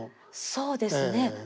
そうですね。